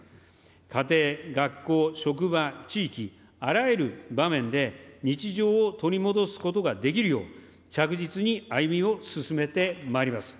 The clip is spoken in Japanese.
家庭、学校、職場、地域、あらゆる場面で日常を取り戻すことができるよう、着実に歩みを進めてまいります。